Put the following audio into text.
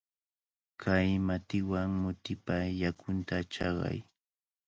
Kay matiwan mutipa yakunta chaqay.